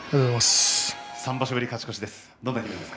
３場所ぶりの勝ち越しです。